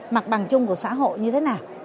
mặt bằng chung của xã hội như thế nào